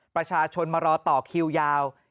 ประชาชนมารอต่อคิวยาว